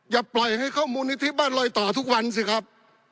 อย่าปล่อยให้เข้ามูลนิธิบ้านลอยต่อทุกวันสิครับ